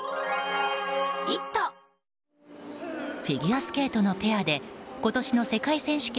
フィギュアスケートのペアで今年の世界選手権